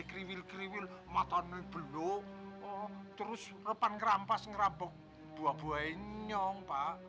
kriwil kriwil matanya belok terus repan kerampas ngerabok dua buah inyong pak